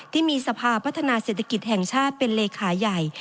ที่มีสภาพัฒนาเศรษฐกิจแห่งชาติเป็นเลขาใหญ่